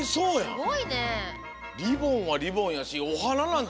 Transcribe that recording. すごいね。